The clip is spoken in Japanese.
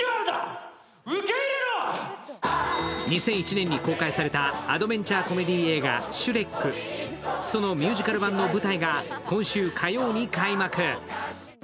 ２００１年に公開されたアドベンチャーコメディー映画「シュレック」そのミュージカル版の舞台が今週火曜日に開幕。